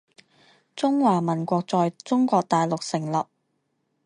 中华民国在中国大陆成立